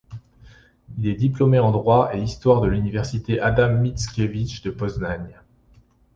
Il est diplômé en droit et histoire de l'université Adam-Mickiewicz de Poznań.